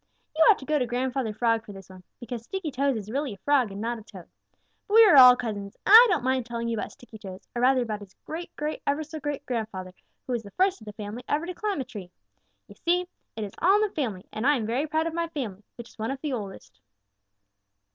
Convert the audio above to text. "You ought to go to Grandfather Frog for this one, because Sticky toes is really a Frog and not a Toad. But we are all cousins, and I don't mind telling you about Sticky toes, or rather about his great great ever so great grandfather, who was the first of the family ever to climb a tree. You see, it is all in the family, and I am very proud of my family, which is one of the very oldest."